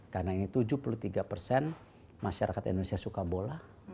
karena ini tujuh puluh tiga persen masyarakat indonesia suka bola